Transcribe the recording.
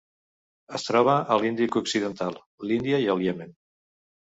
Es troba a l'Índic occidental: l'Índia i el Iemen.